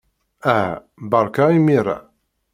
Aha, beṛka imir-a.